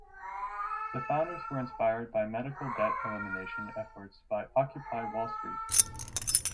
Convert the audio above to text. The founders were inspired by medical debt elimination efforts by Occupy Wall Street.